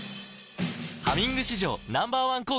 「ハミング」史上Ｎｏ．１抗菌